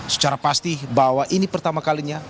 secara pasti bahwa ini pertama kalinya